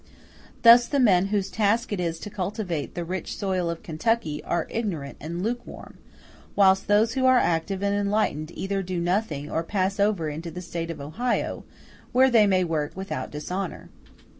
Thus the men whose task it is to cultivate the rich soil of Kentucky are ignorant and lukewarm; whilst those who are active and enlightened either do nothing or pass over into the State of Ohio, where they may work without dishonor.